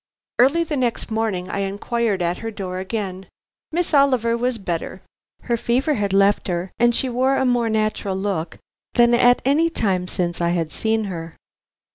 Early the next morning I inquired at her door again. Miss Oliver was better. Her fever had left her, and she wore a more natural look than at any time since I had seen her.